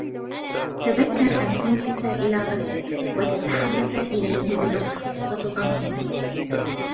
تذكَّر أن تنصت إلى طفلك، وتتحدَّث إليه بلطف، وتطمئنه.